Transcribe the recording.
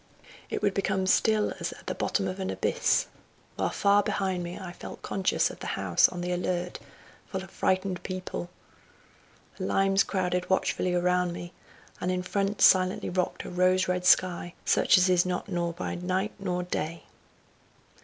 It would become still as at the bottom an abyss, while far behind me I felt conscious of the house on the alert, full of frightened people; the limes crowded watchfully around me, and in front silently rocked a rose red sky, such as is not nor by night nor day.